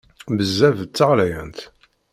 Bezzaf d taɣlayant!